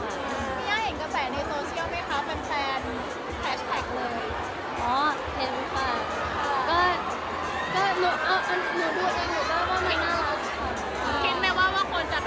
พี่ย่าเห็นกระแสในโซเชียลไหมคะแฟนแฮชแท็กเลย